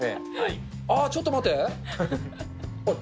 あー、ちょっと待って。